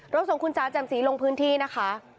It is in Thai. ส่งคุณจ๋าแจ่มสีลงพื้นที่นะคะ